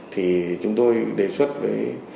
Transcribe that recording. thì chúng tôi đề xuất với